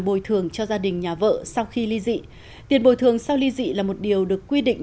bồi thường cho gia đình nhà vợ sau khi ly dị tiền bồi thường sau ly dị là một điều được quy định